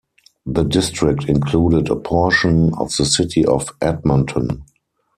The district included a portion of the city of Edmonton.